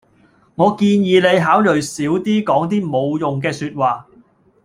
我建議你考慮少啲講啲冇乜用嘅說話